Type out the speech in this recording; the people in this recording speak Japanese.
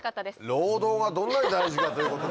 労働がどんなに大事かということですよ。